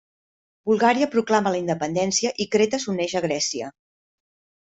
Bulgària proclama la independència i Creta s'uneix a Grècia.